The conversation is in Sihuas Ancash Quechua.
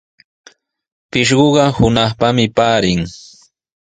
Pishquqa hunaqpami paarin.